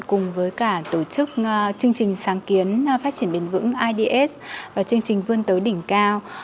cùng với cả tổ chức chương trình sáng kiến phát triển bền vững ids và chương trình vươn tới đỉnh cao